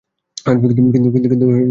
কিন্তু তোমার মনে নেই?